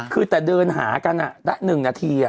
คือแต่เดินหากันได้๑นาที